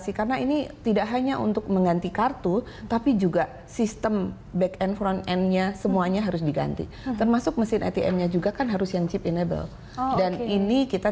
ibu ida nuryanti direktur departemen pengawasan sistem pembayaran bank indonesia